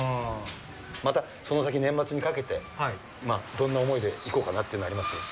またその先、年末にかけて、どんな思いでいこうかなというのあります？